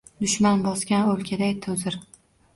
Dushman bosgan oʼlkaday toʼzir